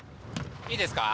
いいですか？